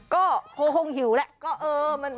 ก็โค้งหิวแล้ว